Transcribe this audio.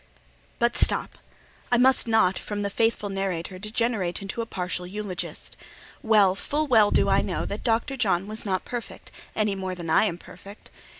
But stop—I must not, from the faithful narrator, degenerate into the partial eulogist. Well, full well, do I know that Dr. John was not perfect, anymore than I am perfect.